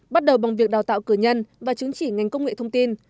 bắt đầu bằng việc đào tạo cửa nhân và chứng chỉ ngành công nghệ thông tin